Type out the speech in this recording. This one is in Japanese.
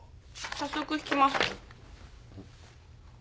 早速弾きます。